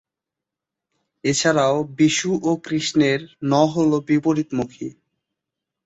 এছাড়াও, বিষ্ণু ও কৃষ্ণের 'ন' হল বিপরীতমুখী।